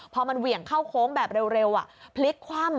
พอมันเหวี่ยงเข้าโค้งแบบเร็วพลิกคว่ำ